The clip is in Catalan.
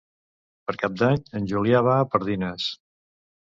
Per Cap d'Any en Julià va a Pardines.